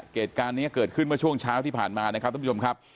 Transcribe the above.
เหตุการณ์นี้เกิดขึ้นเมื่อช่วงเช้าที่ผ่านมานะครับท่านผู้ชมครับ